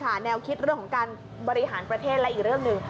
ข้าวหน้าแนวคิดเรื่องบริหารประเทศและอีกเรื่องหนึ่ง